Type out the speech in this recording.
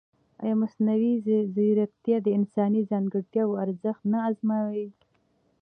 ایا مصنوعي ځیرکتیا د انساني ځانګړتیاوو ارزښت نه ازموي؟